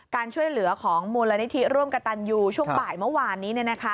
การช่วยเหลือของมูลนิธิร่วมกับตันยูช่วงบ่ายเมื่อวานนี้